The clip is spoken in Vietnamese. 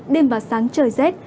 đêm và sáng trời rét